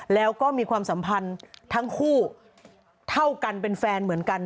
แล้วก็มีความสัมพันธ์ทั้งคู่เท่ากันเป็นแฟนเหมือนกัน